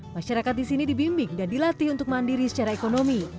masyarakat di sini dibimbing dan dilatih untuk mandiri secara ekonomi